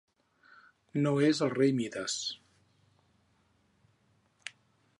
No és el rei Mides.